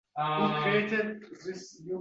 Ammo katta orqaga qaytish ham boʻldi.